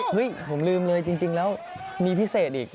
ผมลืมเลยจริงแล้วมีพิเศษอีก